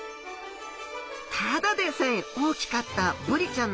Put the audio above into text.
ただでさえ大きかったブリちゃんの胃袋。